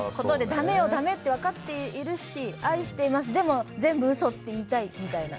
ダメよダメって分かっているし愛していますでも、全部嘘って言いたいみたいな。